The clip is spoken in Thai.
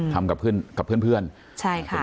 ทำกับเพื่อนใช่ค่ะ